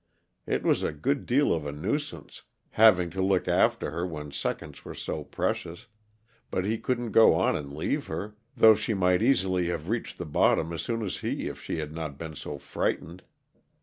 It was a good deal of a nuisance, having to look after her when seconds were so precious, but he couldn't go on and leave her, though she might easily have reached the bottom as soon as he if she had not been so frightened.